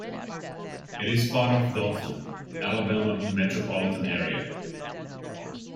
It is part of the Dothan, Alabama metropolitan area.